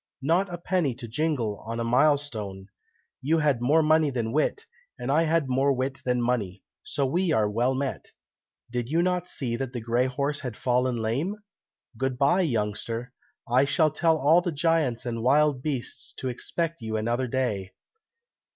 not a penny to jingle on a mile stone. You had more money than wit, and I had more wit than money, so we are well met. Did you not see that the grey horse had fallen lame? Good bye, youngster! I shall tell all the giants and wild beasts to expect you another day!"